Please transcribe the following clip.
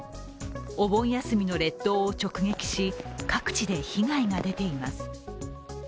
お盆休みの列島を直撃し各地で被害が出ています。